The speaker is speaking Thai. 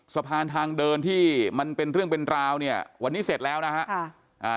สะพานทางเดินที่มันเป็นเรื่องเป็นราวเนี่ยวันนี้เสร็จแล้วนะฮะ